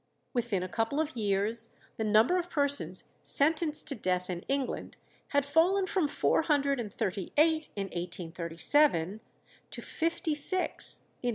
Within a couple of years the number of persons sentenced to death in England had fallen from four hundred and thirty eight in 1837 to fifty six in 1839.